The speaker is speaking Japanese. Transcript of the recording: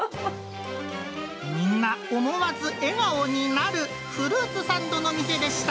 みんな、思わず笑顔になるフルーツサンドの店でした。